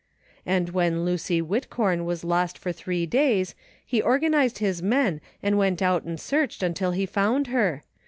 And when Lucy Whitcom was lost for three days he organized his men and went out and searched till he found her.